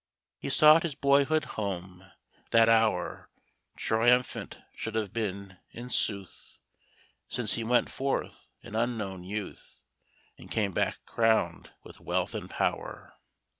He sought his boyhood's home. That hour Triumphant should have been, in sooth, Since he went forth an unknown youth, And came back crowned with wealth and power.